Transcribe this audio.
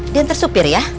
diantar supir ya